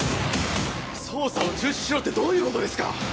捜査を中止しろってどういうことですか！？